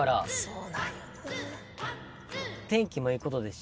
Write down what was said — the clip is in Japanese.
そうなんよなぁ。